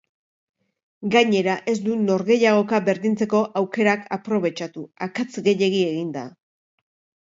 Gainera, ez du norgehiagoka berdintzeko aukerak aprobetxatu, akats gehiegi eginda.